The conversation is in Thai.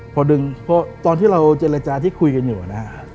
พอดึงตอนที่เราเจรจาที่คุยกันอยู่นะ